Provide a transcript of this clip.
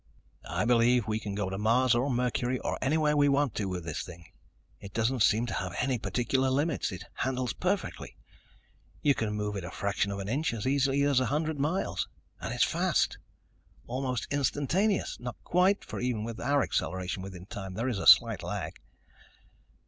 "I believe we can go to Mars or Mercury or anywhere we want to with this thing. It doesn't seem to have any particular limits. It handles perfectly. You can move it a fraction of an inch as easily as a hundred miles. And it's fast. Almost instantaneous. Not quite, for even with our acceleration within time, there is a slight lag."